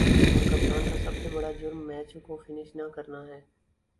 اور کپتان کا سب سے بڑا"جرم" میچ کو فنش نہ کرنا ہے ۔